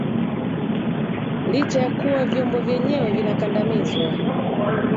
licha ya kuwa vyombo vyenyewe vinakandamizwa